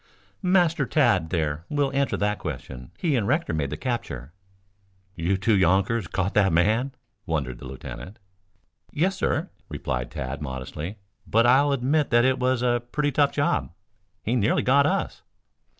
"Master Tad there will answer that question. He and Rector made the capture." "You two younkers caught that man?" wondered the lieutenant. "Yes, sir," replied Tad modestly. "But I'll admit that it was a pretty tough job. He nearly got us."